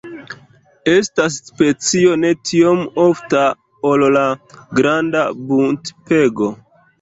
Estas specio ne tiom ofta ol la Granda buntpego.